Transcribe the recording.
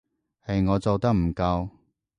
係我做得唔夠